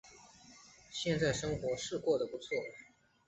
现在生活是过得不错